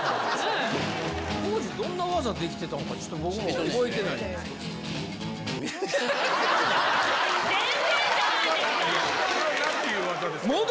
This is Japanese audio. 当時、どんな技できてたんか、ちょっと僕も覚えてないんですけど。